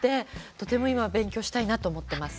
とても今、勉強したいなと思ってます。